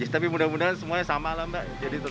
tapi mudah mudahan semuanya sama lah mbak